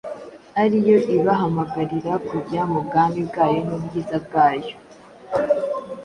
ari yo ibahamagarira kujya mu bwami bwayo n’ubwiza bwayo.”